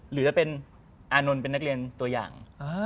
หรือจะเป็นอานนท์เป็นนักเรียนตัวอย่าง